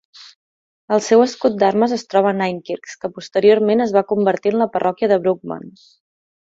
El seu escut d"armes es troba a Ninekirks, que posteriorment es va convertir en la parròquia de Brougham.